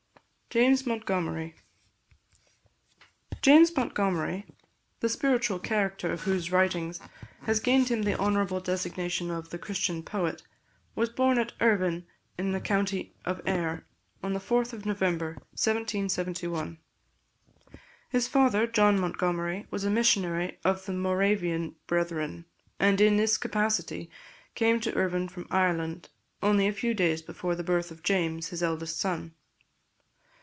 JAMES MONTGOMERY. James Montgomery, the spiritual character of whose writings has gained him the honourable designation of the Christian Poet, was born at Irvine, in the county of Ayr, on the 4th of November 1771. His father, John Montgomery, was a missionary of the Moravian Brethren, and in this capacity came to Irvine from Ireland, only a few days before the birth of James, his eldest son.